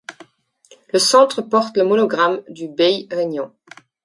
Le centre porte le monogramme du bey régnant.